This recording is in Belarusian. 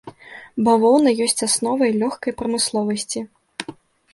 Бавоўна ёсць асновай лёгкай прамысловасці.